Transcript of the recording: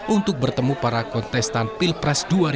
untuk bertemu para kontestan pilpres dua ribu dua puluh empat